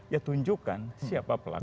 ya tunjukkan siapa pelakunya